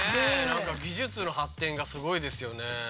何か技術の発展がすごいですよね。